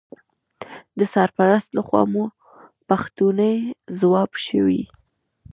د سرپرست لخوا مو پوښتنې ځواب شوې.